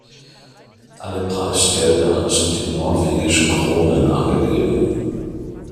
Alle Preisgelder sind in norwegischen Kronen angegeben.